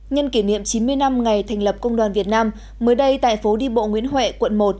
nhân kỷ niệm chín mươi năm ngày thành lập công đoàn việt nam mới đây tại phố đi bộ nguyễn huệ quận một